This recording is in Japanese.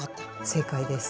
正解です。